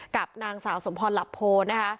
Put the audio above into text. กับนางสาวสมพรหลับโพนะคะ